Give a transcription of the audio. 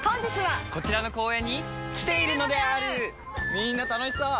みんな楽しそう！